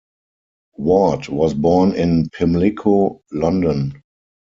Ward was born in Pimlico, London.